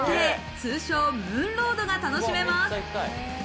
通称・ムーンロードが楽しめます。